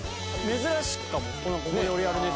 珍しいかも。